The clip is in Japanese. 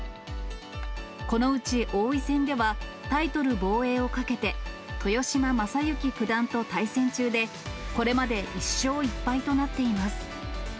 このうち王位戦では、タイトル防衛をかけて豊島将之九段と対戦中で、これまで１勝１敗となっています。